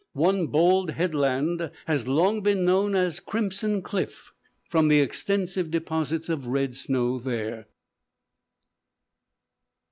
One bold headland has long been known as Crimson Cliff, from the extensive deposits of red snow there.